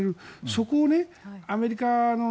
そこをアメリカは